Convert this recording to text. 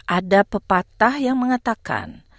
ada pepatah yang mengatakan